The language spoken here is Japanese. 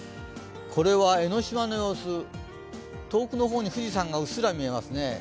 これは江の島の様子、遠くの方に富士山がうっすら見えますね。